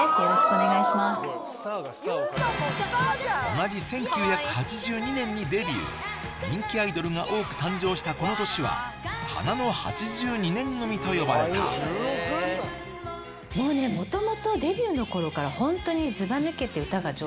同じ１９８２年にデビュー人気アイドルが多く誕生したこの年は「花の８２年組」と呼ばれたもうね元々デビューの頃からホントに。